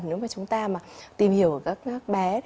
nếu mà chúng ta mà tìm hiểu các bé